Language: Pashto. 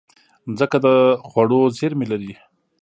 مځکه د خوړو زېرمې لري.